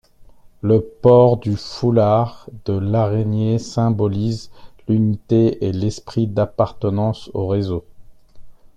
Le port du foulard de l'Araignée symbolise l'unité et l'esprit d'appartenance au réseau.